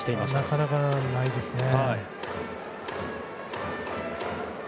なかなかないですね。